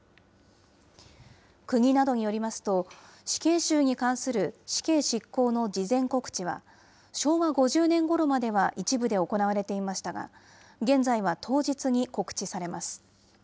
国などによりますと、死刑囚に関する死刑執行の事前告知は、昭和５０年ごろまでは一部で行われていましたが、現在は当日に告知されます。